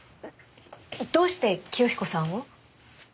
どうして清彦さんを？